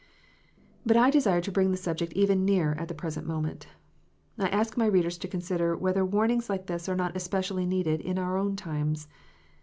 But I desire to bring the subject even nearer at the present moment. I ask my readers to consider whether warnings like this are not especially needed in our own times.